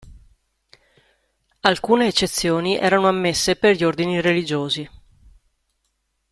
Alcune eccezioni erano ammesse per gli ordini religiosi.